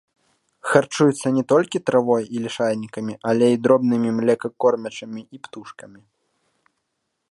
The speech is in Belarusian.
Харчуецца не толькі травой і лішайнікамі, але і дробнымі млекакормячымі і птушкамі.